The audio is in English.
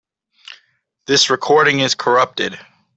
This recording is corrupted.